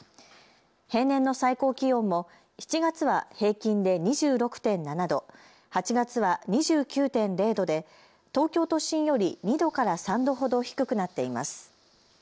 平年の最高気温も７月は平均で２６．７度、８月は２９．０度で東京都心より２度から３度ほど低くなっています。